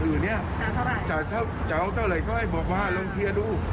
แล้วส่วนธรีจะถ้าเอาเงินเท่าไหร่ก็ให้บอกมาลองที้อดู